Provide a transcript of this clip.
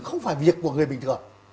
không phải việc của người bình thường